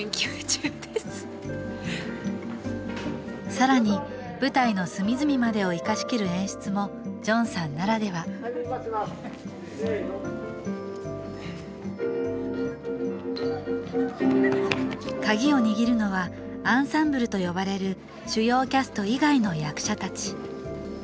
さらに舞台の隅々までを生かしきる演出もジョンさんならではカギを握るのはアンサンブルと呼ばれる主要キャスト以外の役者たち